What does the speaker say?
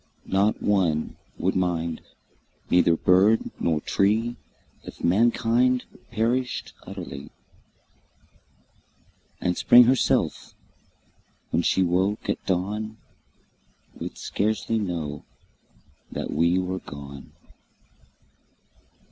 Not one would mind, neither bird nor tree If mankind perished utterly; And Spring herself, when she woke at dawn, Would scarcely know that we were gone.